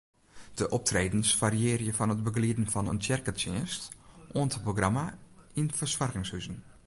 De optredens fariearje fan it begelieden fan in tsjerketsjinst oant in programma yn fersoargingshuzen.